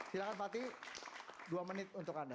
silahkan fatih dua menit untuk anda